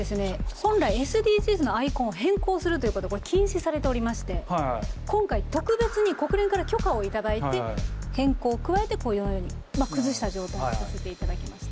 本来ＳＤＧｓのアイコンを変更するということは禁止されておりまして今回特別に国連から許可を頂いて変更を加えてこのように崩した状態にさせていただきました。